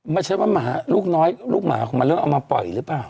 ไม่ใช่ว่าหมาลูกน้อยลูกหมาของมันเริ่มเอามาปล่อยหรือเปล่า